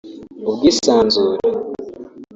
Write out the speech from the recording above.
ubwisanzure